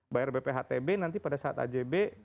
bayar bphtb nanti pada saat ajb